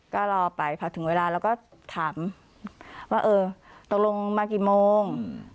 ก็รอไปพอถึงเวลาเราก็ถามว่าเออตกลงมากี่โมง